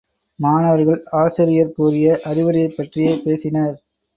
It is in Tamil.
மாணவர்கள் ஆசிரியர் கூறிய அறிவுரையைப் பற்றியே பேசினர்.